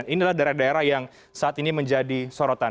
inilah daerah daerah yang saat ini menjadi sorotan